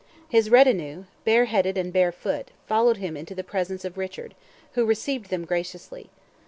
His retinue, bareheaded and barefoot, followed him into the presence of Richard, who received them graciously.